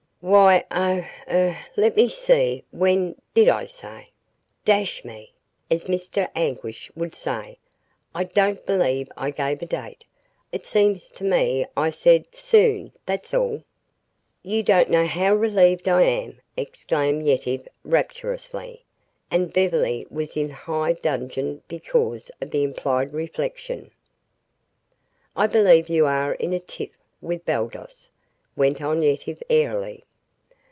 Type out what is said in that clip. "Why, oh, er let me see; when did I say? Dash me as Mr. Anguish would say I don't believe I gave a date. It seems to me I said soon, that's all." "You don't know how relieved I am," exclaimed Yetive rapturously? and Beverly was in high dudgeon because of the implied reflection, "I believe you are in a tiff with Baldos," went on Yetive airily.